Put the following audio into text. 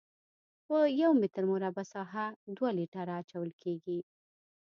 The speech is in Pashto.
په یو متر مربع ساحه دوه لیټره اچول کیږي